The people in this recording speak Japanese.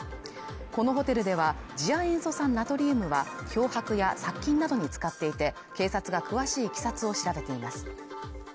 このホテルでは、次亜塩素酸ナトリウムは、漂白や殺菌などに使っていて、警察が詳しいいきさつを調べています。